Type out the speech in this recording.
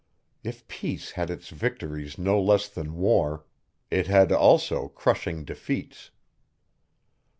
If peace had its victories no less than war, it had also crushing defeats.